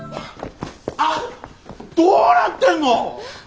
どうなってんの！